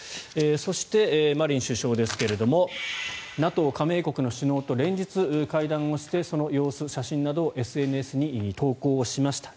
そして、マリン首相ですがＮＡＴＯ加盟国の首脳と連日、会談をしてその様子、写真などをＳＮＳに投稿しました。